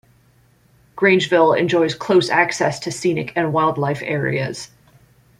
Grangeville enjoys close access to scenic and wildlife areas.